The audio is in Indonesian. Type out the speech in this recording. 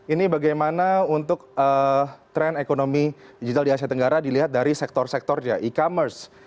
ini bagaimana untuk tren ekonomi digital di asia tenggara dilihat dari sektor sektor e commerce